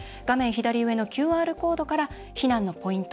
左上のＱＲコードから避難のポイント